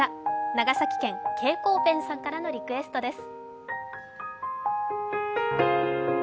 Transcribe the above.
長崎県、蛍光ペンさんからのリクエストです。